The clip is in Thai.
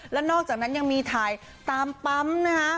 แล้วนอกจากนั้นยังมีถ่ายตามปั๊มนะคะ